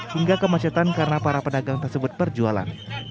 hingga kemacetan karena para pedagang tersebut berjualan